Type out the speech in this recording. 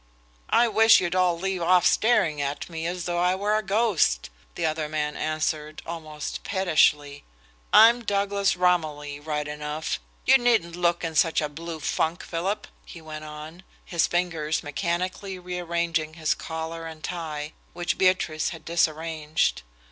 "I wish you'd all leave off staring at me as though I were a ghost," the other man answered, almost pettishly. "I'm Douglas Romilly, right enough. You needn't look in such a blue funk, Philip," he went on, his fingers mechanically rearranging his collar and tie, which Beatrice had disarranged.